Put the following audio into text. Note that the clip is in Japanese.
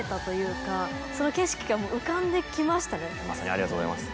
ありがとうございます。